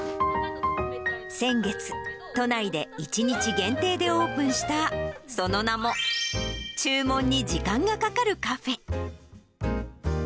先月、都内で１日限定でオープンした、その名も、注文に時間がかかるカフェ。